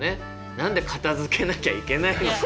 「何で片づけなきゃいけないのか？」。